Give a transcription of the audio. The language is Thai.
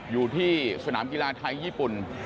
อยู่ที่สนามกีฬาไทยญี่ปุ่น